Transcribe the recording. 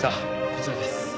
こちらです。